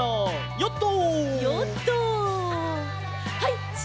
ヨット！